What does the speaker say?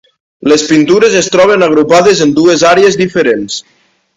Les pintures es troben agrupades en dues àrees diferents.